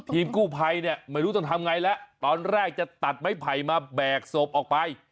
ทีมกู้ภัยเนี่ยไม่รู้ต้องทำไงแล้วตอนแรกจะตัดไม้ไผ่มาแบกศพออกไป